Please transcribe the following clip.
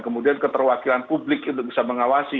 kemudian keterwakilan publik untuk bisa mengawasi